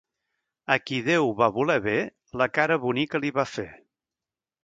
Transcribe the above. A qui Déu va voler bé, la cara bonica li va fer.